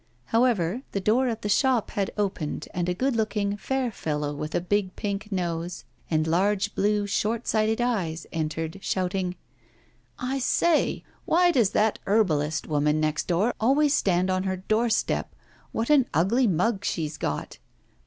However, the door of the shop had opened, and a good looking, fair fellow, with a big pink nose, and large, blue, short sighted eyes, entered shouting: 'I say, why does that herbalist woman next door always stand on her doorstep? What an ugly mug she's got!